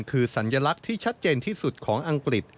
คือสัญลักษณ์ที่ชัดเจนที่สุดของอังกฤษ